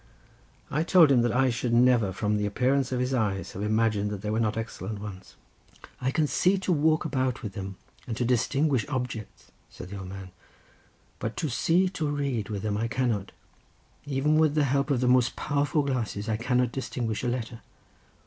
I told him that I should never from the appearance of his eyes have imagined that they were not excellent ones. "I can see to walk about with them, and to distinguish objects," said the old gentleman; "but see to read with them I cannot. Even with the help of the most powerful glasses I cannot distinguish a letter.